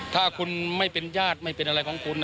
ถ้าคุณไม่เป็นญาติไม่เป็นอะไรของคุณ